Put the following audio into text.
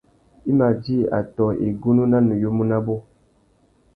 I mà djï atõh igunú na nuyumu nabú.